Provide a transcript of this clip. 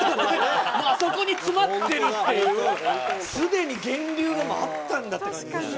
もうあそこに詰まってるっていう、すでに源流があったんだって感じですね。